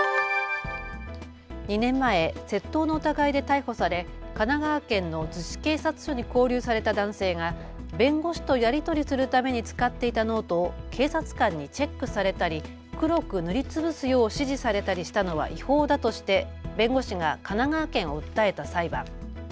２年前、窃盗の疑いで逮捕され神奈川県の逗子警察署に勾留された男性が弁護士とやり取りするために使っていたノートを警察官にチェックされたり、黒く塗りつぶすよう指示されたりしたのは違法だとして弁護士が神奈川県を訴えた裁判。